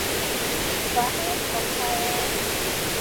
سهار په خیر